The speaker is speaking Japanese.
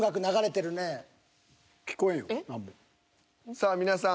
さあ皆さん。